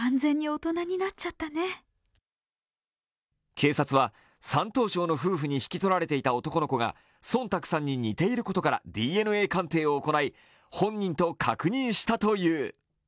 警察は山東省の夫婦に引き取られていた男の子が孫卓さんに似ていることからＤＮＡ鑑定を行い本人と確認したという。